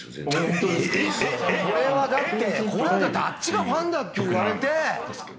これはだってあっちが「ファンだ」って言われて。